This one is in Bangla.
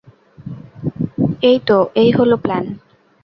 তো, এই হলো প্ল্যান।